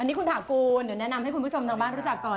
นี่คุณถากูลเดี๋ยวแนะนำให้คุณผู้ชมทางบ้านรู้จักก่อน